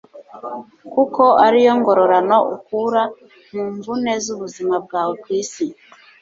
kuko ari yo ngororano ukura mu mvune z'ubuzima bwawe ku isi